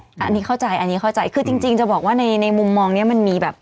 อันนี้เข้าใจอันนี้เข้าใจคือจริงจะบอกว่าในมุมมองนี้มันมีแบบ